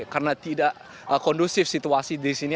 karena tidak kondusif situasi di sini